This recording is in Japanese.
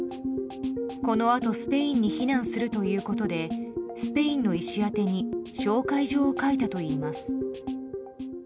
このあと、スペインに避難するということでスペインの医師宛てに紹介状を書いたといいます。